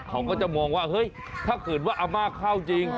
เขาก็จะมองว่าเฮ้ยถ้าเกิดว่าอาม่าเข้าจริง